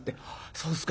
「そうですか。